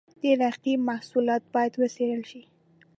د رقیب محصولات باید وڅېړل شي.